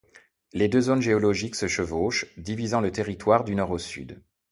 Les deux zones géologiques se chevauchent, divisant le territoire du nord au sud.